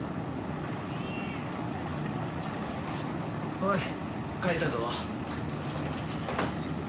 おい帰ったぞ。